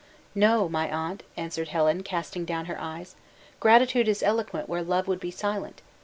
"No, my aunt," answered Helen, casting down her eyes; "gratitude is eloquent where love would be silent.